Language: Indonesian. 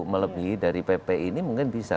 melebihi dari pp ini mungkin bisa